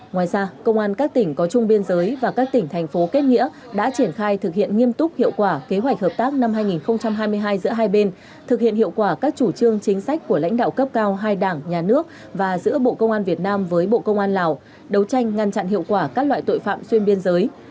ngoài ra công an các tỉnh có chung biên giới và các tỉnh thành phố kết nghĩa đã triển khai thực hiện nghiêm túc hiệu quả kế hoạch hợp tác năm hai nghìn hai mươi hai giữa hai bên thực hiện hiệu quả các chủ trương chính sách của lãnh đạo cấp cao hai đảng nhà nước và giữa bộ công an việt nam với bộ công an lào đấu tranh ngăn chặn hiệu quả các loại tội phạm xuyên biên giới